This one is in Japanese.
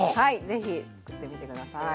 ぜひ作ってみて下さい。